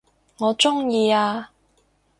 我鍾意啊